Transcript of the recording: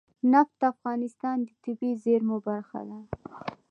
نفت د افغانستان د طبیعي زیرمو برخه ده.